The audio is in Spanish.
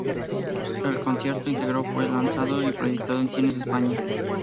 El concierto íntegro fue lanzado y proyectado en cines de España.